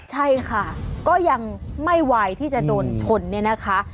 ใช่ค่ะก็ยังไม่ไหวที่จะโดนชนเนี่ยนะคะ